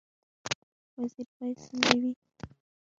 وزیر باید څنګه وي؟